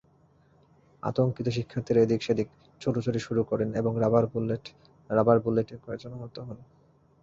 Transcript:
আতঙ্কিত শিক্ষার্থীরা এদিক-সেদিক ছোটাছুটি শুরু করেন এবং রাবার বুলেটে কয়েকজন আহত হন।